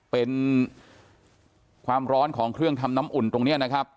เป็นความร้อนของเครื่องทำน้ำอุ่นตรงนี้นะครับ